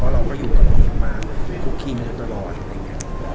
เพราะเราก็อยู่กับน้องที่มาคุกขี้ไม่ได้ตลอด